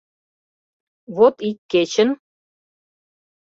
Вот ик кечын